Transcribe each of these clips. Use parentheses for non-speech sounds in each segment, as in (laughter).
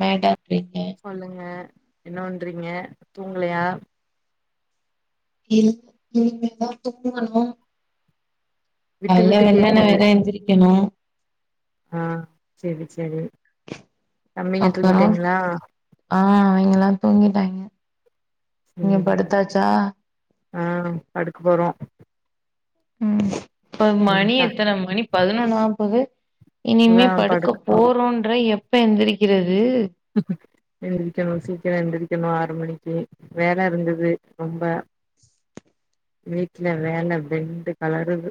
மேட சொல்லுங்க என்ன பண்றீங்க தூங்கலையா (inaudible) இனிமேதா தூங்கணு விட்டு கால்ல விட்டு வெள்ளன்ன கேக்குது வேற எந்திரிக்கெணு ஆ (unintelligible) தம்பிங்க அப்பறொ தூங்கிட்டாங்களா ஆ அவிங்கெல்லா தூங்கிட்டாய்ங்க நீங்க சேரி படுத்தாச்சா ஆ படுக்க போறோ ம் இப்ப ம் மணி த எத்தன மணி பதினொன்னு ஆவப்போது அதா இனிமே படுக்க படுக் போறோன் எப்ப எந்திரிக்கறது எந்திரிக்கணு சீக்கர எந்திரி இருக்கணு ஆறு மணிக்கு வேல இருந்தது ரொம்ப வீட்டுல வேல பெண்டு கலருது.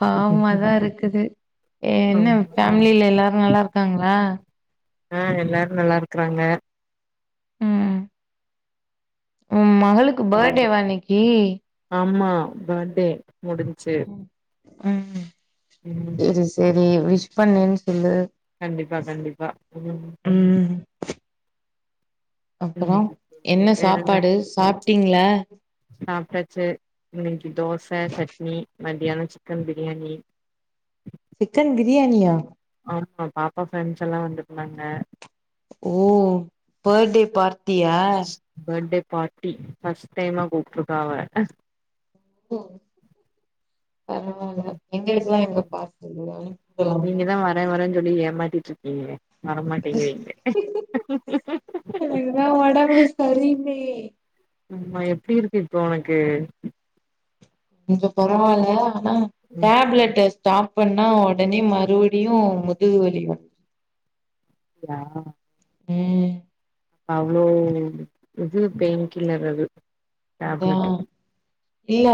பாவமாதான் இருக்குது ஆமா என்ன ஃபேமிலில எல்லாரு நல்லா இருக்காங்களா. ஆஹ் எல்லாரும் நல்லா இருக்றாங்க. ம் மகளுக்கு பர்த்டேவன்னைக்கி. அம்மா பர்டே. முடிஞ்சு. உஹம். செரி செரி விஸ் பண்ணேன்னு சொல்லு. கண்டிப்பா கண்டிப்பா உம். ம் அப்புறோ என்ன சாப்பாடு சாப் ட்டீங்களா. சாப்பிட்டாச்சு இன்னைக்கு தோச சட்னி மத்தியானம் சிக்கன் பிரியாணி. சிக்கன் பிரியாணியா. ஆமா பாப்பா பெர்ன்ஸ் எல்லா வந்து இருந்தாங்க ஓ பர்டே பார்ட்டியா. பர்த்டே பார்ட்டி பர்ஸ்ட் டைமா கூப்பிட்டு இருக்கா அவ. ஓ. பரவால்ல எங்க (unintelligible) லா பார்டில்ல நீங்க (unintelligible) தா வரே வரேன்னு சொல்லி ஏமாத்திட்டு இருக்கீங்க. எனக்கு தா உடம்பு சரியில்லையே. ஆமா எப்டி இருக்கு இப்போ உனக்கு. கொஞ்ச பரவாயில்ல. ஆஹ டேப்லெட். ஸ்டாப் பண்ணா உடனே மறுபடியு முதுகு வலி வர் ஆஹ். உம். அவ்ளோ இது பெயின் கில்லர் அது. அதா டேப்லெட் இல்ல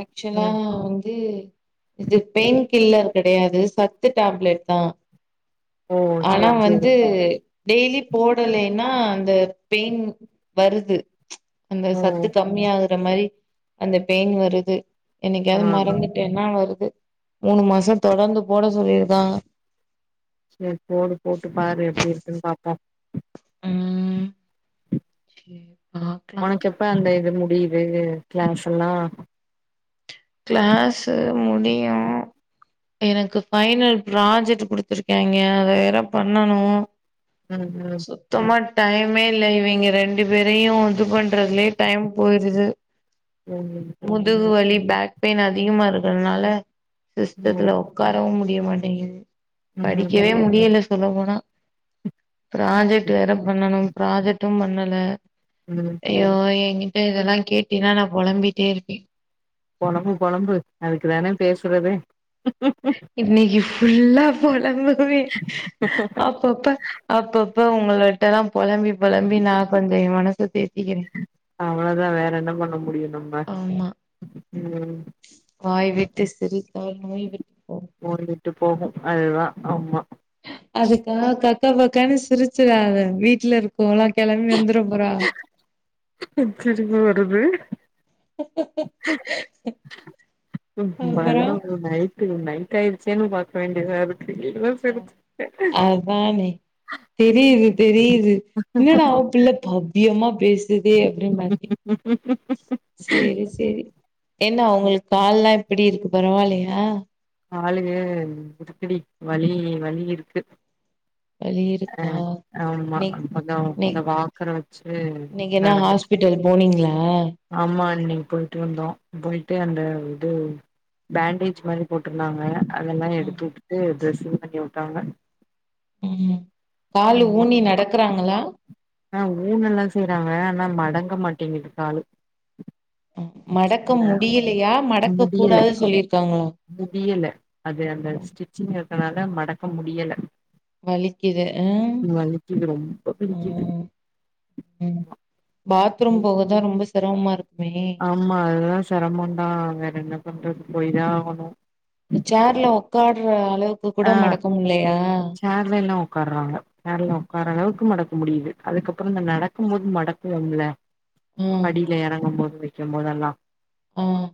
ஆக்சுவலா ம் வந்து இது பெயின் க் கில்லர் கிடையாது சத்து டேப்லெட் தான். ஓ ஆனா சேரி சேரி வந்து டெய்லி போடலன்னா அந்த பெயின் வருது ப்ச் அந்த ஓ சத் கம்மிய ஆகுற மாரி அந்த பெயின் வருது ஆ என்னைக்காவது ஆ மறந்துட்டேன்னா வருது மூணு மாசம் தொடர்ந்து போட சொல்லி இருக்காங்க சேரி போடு போட்டு பாரு எப்டி இருக்குன்னு பாப்போ ம் சேர் பாக்லா உனக்கு எப்ப அந்த முடியுது கிளாஸ் எல்லா கிளாஸு முடியு எனக்கு ஃபைனல் ப்ராஜெக்ட் குடுத்திருக்காய்ங்க அத வேற பண்ணணு ம் சுத்தமா டைமே இல்ல இவிங்க ரெண்டு பேரையு இது பண்றதுலயே டைம் போயிருது ம் புரியுது. முதுகு வலி பேக் பெயின் அதிகமா இருக்கிறதுனால ம் சிஸ்டத்துல உக்காரவு முடிய மாட்டேங்குது ம் படிக்கவே ம் முடியல சொல்ல போனா ப்ராஜெக்ட் வேற பண்ணணு ப்ராஜெக்ட்டு பண்ணல ம் ம் ஐயோ எங் கிட்ட இதெல்லா கேட்டினா நா பொலம்பிட்டே இருப்பே பொலம்பு பொலம்பு அதுக்குதான பேசுறதே இன்னைக்கு ஃபுல்லா பொலம்பு வே அப்பப்ப அப்பப் ப உங்களகிட்டலா பொலம்பி பொலம்பி நா கொஞ்ச எ மனச தேத் அவளதா வேற என்ன பண்ண முடியு நம்ம ஆமா ம் வாய் விட்டு சிரித்தால் நோய் விட்டு போகு விட்டு போகும் அதுதா ஆமா அதுக்காக கா க்கா பக்கானு சிரிச்சிராத வீட்ல இருக் க்றவங்ளா கெளம்பி வந்துர போறாக சிரிப்பு வருது அப்பறோ பதனொன்னு நைட் டு நைட் ஆயிருச்சேன்னு பாக்க வேண்டியதா இருக்கு இவ்ளோ அ சிரிப்பு அதானே தெரியுது தெரியுது என்னடா அவ பிள்ள பவ்யமா பேசுதே அப்டின் பாத்தே சேரி சேரி என்ன அவங்களுக்கு கால்லா எப்படி இருக்கு பரவால்லையா காலு இருக்குடி வலி வலி இருக்கு வலி இருக்கா அஹ ஆமா இன்னைக் கொஞ்சோ அந்த இன்னைக் வாக்கர வச்சுட் இன்னைக்கு என்ன நடந்து. ஹாஸ்பிட்டல் போனீங்களா ஆமாண்ணி. போயிட்டு வந்தோம் போயிட்டு அந்த இது பேண்டேஜ் மாரி போட்டுருந்தாங்க. அதெல்லா எடுத்துட்டுட்டு டிரேஸ் கிலீன் பண்ணிவிட்டாங்க. உம். காலு ஊனி நடக்குறாங்களா. ஆஹ ஊன்ன எல்லா செய்யறாங்க ஆனா மடங்க மாட்டிது காலு. மடக்க அந்த முடியலையா மடக்க முடியல கூடாது சொல்லிருக்காங்களா. அதனால மடக்க முடியல. வலிக்கிது உம் வலிக்குது ரொம்ப வலிக்குது உம். ம் உம் பாத்ரூம் ம். போகதா ரொம்ப சி சிரம்மா இருக். ஆமா அதுதா சிரமோ தான் வேற என்ன பண்றது. போய்தான் ஆகணும். ச்சார்ல உக். உக்கார்ல. ஆஹ சேர்ல ல்லா உட்காருறாங்க சேர்ல உட்காரற அளவுக்கு மடக். முடியுது அதுக்கப்றோம் இந்த நடக்கும் போது மடக்கும்ல. ம் படியில இறங்கும் போது. வைக்கும் போதெல்லாம் ஆஹ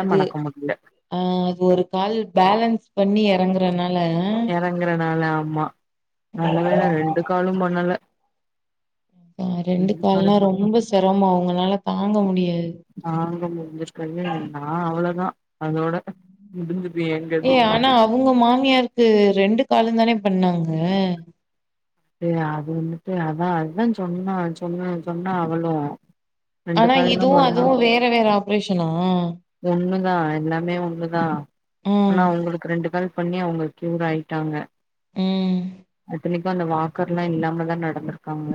அது முடியல ஆஹ அது ஒரு கால் பேலன்ஸ். பண்ணி இறங்குறனால. மா. நல்ல வேல ரெண்டு காலு பண்ணல. அ ரெண்டு கால்லா ரொம்ப சிரமோ உங்களால தாங்க முடியாது. தாங்க முடிஞ்சிருக்கவே நா அவ்ளோதா அதோட உம். இது எங்க வீட். அவுங்க மாமியாருக்கு ரெண்டு காலு தானே பண்ணாங்க அது வந்துட்டு அதான் அதான் சொன்னா சொன்னா சொன்னா அவளு ரெண்டு ஆனா கால்லா இதுவும் அதுவும் வேற வேற ஆப்ரேஷனா ஒண்ணுதான் எல்லாமே ஒண்ணுதான் ஆனா ம் அவ்ங்களுக்கு ரெண்டு கள் பண்ணி அவுங்க க்யூர் ஆயிட்டாங்க ம் இத்தனைக் அந்த வாக்கர்லா இல்லாமதா நடந்துருக்காங்க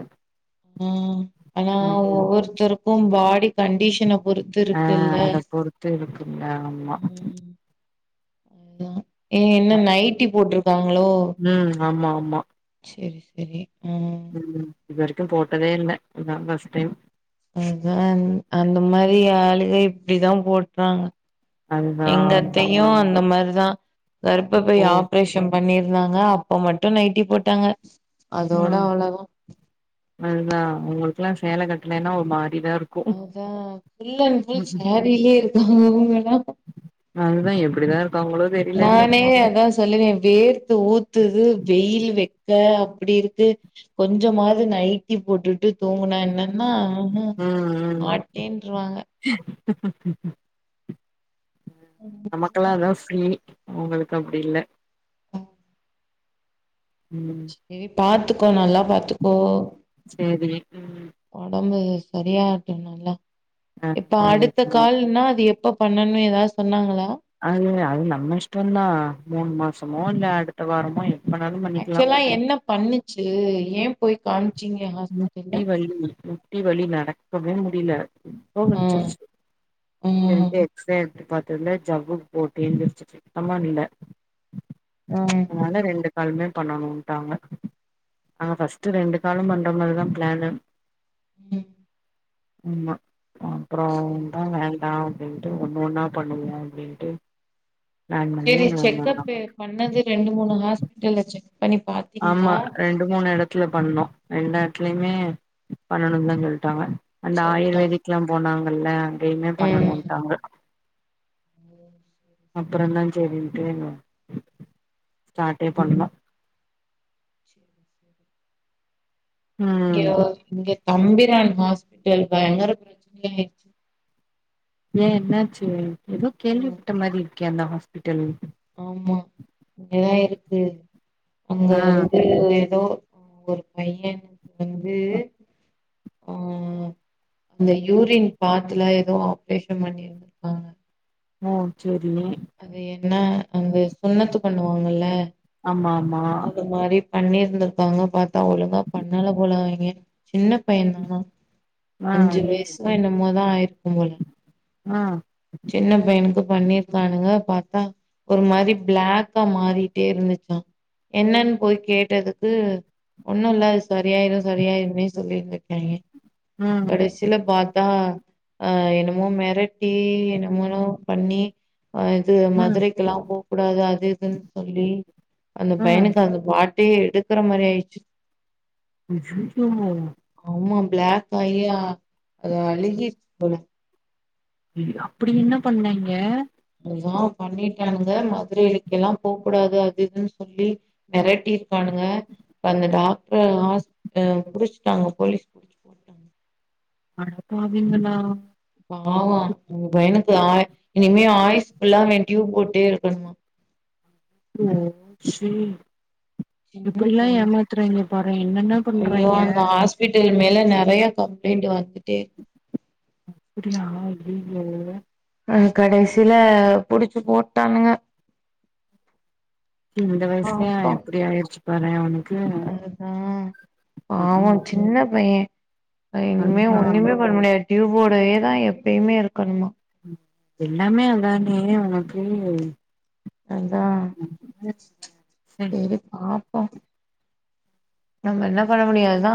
ம் ஆனா ஒவ்வொருத்தருக்கு பாடி கண்டிஷன பொறுத்து ஆ இருக்குல்ல அத பொறுத்து இருக்கில்ல ஆமா என்னா ஏ என்ன நைட்டி போட்ரு க்காங்ளோ ம் ஆமா ஆமா செரி செரி ம் இது வரைக்கு போட்டதே இல்ல இதா ஃபஸ்ட் டைம் அதா அந்த மாரி ஆளுக இப்டிதா போட்றாங்க அதுதான் ஆமா. எங்கத்தையு அந்த மாரி தா கர்ப்பப்பை ஓ! ஆப்ரேஷன் பண்ணிர் ங்காங்க அப்ப மட்டு நைட்டி போட்டாங்க அதோட ம் அவ்ளோதா அதுதா உங்களு க்லா சேல கட்லேன்னா ஒரு மா அதா ஃபுல்லண் ஃபுல் ம்ஹ்ம். சேரிலயே இருக்காங்க அவ்ங்கல்லா அதுதான் எப்படிதான் இருக்காங்களோ தெரியலடி. நானே அதா சொல்லுவே வேர்த்து ஊத்துது வெயிலு வெக்க அப்டி இருக்கு கொஞ்சமாவ்து நைட்டி போட்டுட்டு தூங்குனா என்ன னா ஆஹ ம், ம். மாட்டேன்றுவாங்க நமக்குல்லா அதா ஃப்ரீ உங்களுக்கு அப்டி இல்ல ம். செரி பாத்து க்கோ நல்லா பாத்துக்கோ சரி. ம். ஒடம்பு சரியாகட்டு நல்லா ஆ இப்ப சரி, அடுத்த சரி. கால்னா அது எ ப்ப பண்ணனு எதாது சொன்னாங்களா அது அது நம்ம இஷ்டந்தா மூணு மாசமோ இல்ல அடுத்த வாரமோ எப்பனாலும் பண்ணிக்கலாம். ஆக்சுவலா என்ன பண்ணுச்சு எ போய் காண் முட்டி வலி முட்டி வலி நடக் ப்பவே முடில ஆ (unintelligible) ம் எக்ஸ்ரே எடுத்து பாத்து (unintelligible) ஜவ்வு போந்துர்ச்சு சுத்தமா இல்ல ம் அதனால ரெண்டு கால் மே பண்ணனுன்டாங்க ஆனா ஃபஸ்ட்டு ரெண்டு காலும் பண் ந்த மாறி தா பிளானு உம் அம்மா அப்புறோ தா வேண்டாம் அப்படின்ட்டு ஒண்ணொ ன்னா பண்ணுக அப்டின்ட்டு பிளான் பண்ணி சரி ஒண்ணு ஒன்னா செக்கப்பு பண்ணது ரெண்டு மூணு ஹாஸ்பிட்டல்ல செ ஆமா ரெண்டு மூணு எடத்துல பண்ணோ ரெண்டெடத்லயுமே பண்ணணு தா சொல்ட்டாங்க அந்த சொல்ட்டாங்க ஆயுர்வேதிக் லா போனாங் வல்லா எய்மே ம் பண்ணணுன்ட்டாங்க அப்புறந்தா சரின்ட்டு ஸ்டாட்டே ம் பண்ணோ இங்க ம் இங்க தம்பிதா ஹாஸ்பிட்டல்ல பயங்கற பிரச்சன ஆயிடுச்சு ஏ என்னாச்சு ஏதோ கேள்வி பட்ட மாறி எந்த ஹாஸ்பிடல் ஆமா இங்கதா இருக்கு அங்க ஆ இது ஏதோ ஆ ஒரு பைய வந்து உம் அந்த யூரின் பாத்துல ஏதோ ஆப்ரேஷன் பண்ணிருக்காங்க ம் சரி அது என்ன அந்த சுண்ணத்து பண்ணுவாங்கல்ல ஆமா ஆமா பண்ணி இருந்திருப்பாங்க பாத் தா ஒழுங்கா பண்ணல போல அவைங்க சின்ன பையன் தான ஆ அஞ்சு வயசோ தா என்ம்மோ தா ஆயிருக் கு போல ஆஹ் சின்ன பையனுக்கு பண்ணிருக்கானுங்க பாத் தா ஒரு மாரி பிளாக்கா மாறிட்டே இருந்துச்சா என்னன்னு போய் கேட்டதுக்கு ஒன்னு இல்ல அது சரியாயிரும் சரியாயிரும்னே சொல்லிருந்திருக்காய்ங்க ஆ கடைசில பாத் அ அஹ் என்னமோ மெரட்டி என்னமொனோ பண்ணி ஆஹ் இது மதுரைக்குலா போ கூடாது அத் அது இதுன்னு சொல்லி அந்த ஆ பையனுக்கு அந்த பாட் டே எடுக்கிற மாரி அயிருச்சு அய்யோ பிளாக்காகி அ அது அழுகி போன அப்டி என்ன பண்ணாய்ங்க என்னமோ பண்ணிட்டானுங்க மதுரைகெல்லா போக்கூடாது அது இதுன்னு சொல்லி மெரட்டியிருக்கானுங்க அந்த டாக்டர ஹாஸ் ஆஹ் புடிச்சுட்டாங்க போலீஸ் அடப்பாவிங்களா பாவம் அந்த பையனுக் இது அய் இனிமே ஆய்ஸ் ஃபுல்லா அவென் டியூப் போட்டே இருக்கணுமா (unintelligible) ச்சி சின்ன எப்டிலாம் பைய ஏமாத்துறாங்க பாறே என்னென்ன ஐயோ பண்றாய்ங்க அந்த ஹாஸ்பிட்டல் மேல நறைய கம்ப்ளைண்ட் வந்துட் அப்டியா அய்யோ அஹ கடைசியில புடிச்சு போட்டானுங்க சி இந்த வயசுலே ஆப்பா இப்டி ஆயிடுச்சு பாரே அவனுக் அதுதா பாவோ ம்ஹும் சின்ன பையன் இனிமே அதுதா ஒண்ணுமே பண்ண முடியாது டியூப்போடயேதா எப் எப்பயுமே இருக்கணுமா எல்லாமே அதானே உனக்கு அதா சே சேரி பாப் போ நம்ம என்ன பண்ண முடியும் அதா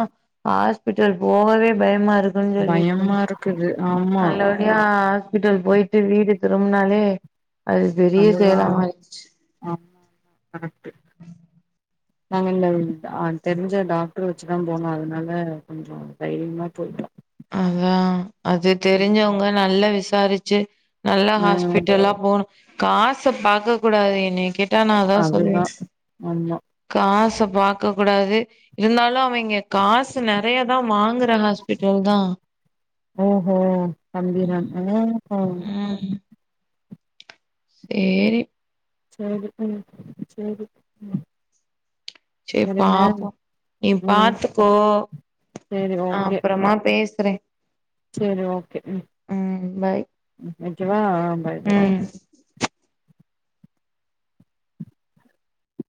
ஹாஸ்பிட்டல் போகவே பயமா இரு (unintelligible) சொல்ட்டு பயமா இருந்தா இருக்குது ஆமா நல்லபடியா ஹாஸ்பிடல் போயட்டு வீடு திரும்னாலே அது பெரிய அதுதா செய்லாமாறிருச்சு (unintelligible) நாங்க இந்த ந்த அ தெரிஞ்ச டாக்டர் வெச்சுதா போனோ அதுனால கொஞ்ச தைரியமா போயிட்டோ அதா அது தெரிஞ்சவங்க நல்ல விஷ சாரிச்சு நல்ல ஆ ஹாஸ்பிட்டலா போணு காச பாக்க கூடாது என்னிக்க ட்டா நா அதா சொல்லுவே அதுதா ஆமா காசப் பாக்கக்கூடாது இருந்தாலு அவிங்க காசு நெறைய தா வாங்குறா ஓஹோ தம்பிதானு ம்ஹு ம். சேரி சேரி ம் சேரி உம் செர் பாப்போ நீ ம் பாத்துக்கோ நா அப்பறமா பேசறே செரி ஓகே ம் ம். பாய். ம் வெக்கவா ஆ பாய் பாய் ம்